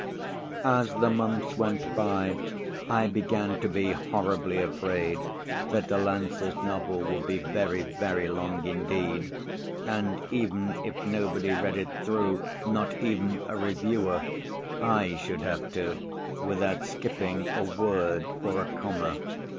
As the months went by I began to be horribly afraid that Delancey's novel would be very, very long indeed. And even if nobody read it through, not even a reviewer, I should have to without skipping a word or a comma.